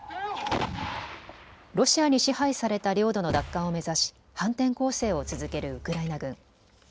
ロシアに支配された領土の奪還を目指し反転攻勢を続けるウクライナ軍。